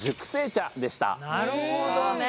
なるほどね。